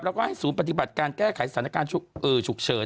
แล้วก็ให้ศูนย์ปฏิบัติการแก้ไขสถานการณ์ฉุกเฉิน